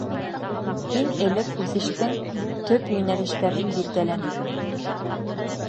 Иң элек үҫештең төп йүнәлештәрен билдәләнек.